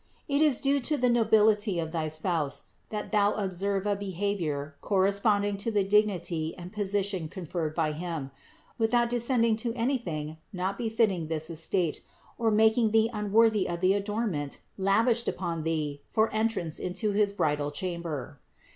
It is due to the nobility of thy Spouse, that thou observe a behavior corresponding to the dignity and position conferred by Him, wtihout descending to anything not befitting this estate or making thee unworthy of the adornment lavished upon thee for entrance into his bridal chamber."